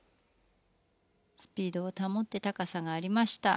スピードを保って高さがありました。